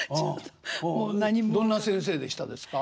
どんな先生でしたですか？